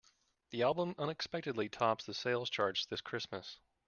The album unexpectedly tops the sales chart this Christmas.